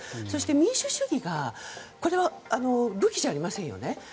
そして民主主義が武器じゃありませんよね。